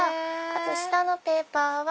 あと下のペーパーは。